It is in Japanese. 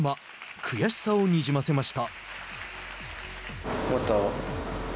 悔しさをにじませました。